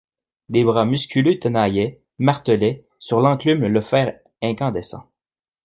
Des bras musculeux tenaillaient, martelaient sur l'enclume le fer incandescent.